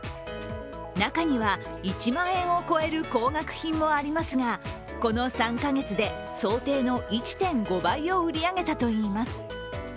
中には、１万円を超える高額品もありますがこの３か月で想定の１．５倍を売り上げたといいます。